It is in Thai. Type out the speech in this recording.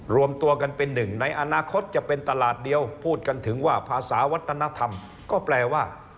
รวมตัวกันเป็นหนึ่งในอนาคตจะเป็นตลาดเดียวพูดกันถึงว่าภาษาวัฒนธรรมก็แปลว่า